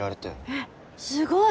えっすごい！